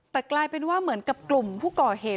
แต่กลายเป็นว่าเหมือนกับกลุ่มผู้ก่อเหตุ